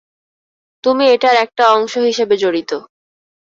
তুমি এটার একটা অংশ হিসেবে জড়িত।